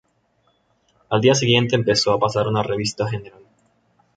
Al día siguiente, empezó a pasar una revista general.